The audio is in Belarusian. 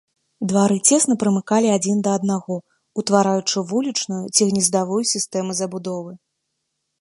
Двары цесна прымыкалі адзін да аднаго, утвараючы вулічную ці гнездавую сістэмы забудовы.